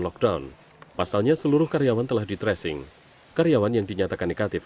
lockdown pasalnya seluruh karyawan telah di tracing karyawan yang dinyatakan negatif